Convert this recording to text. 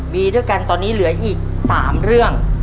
มีด้วยกันตอนนี้เหลืออีก๓เรื่อง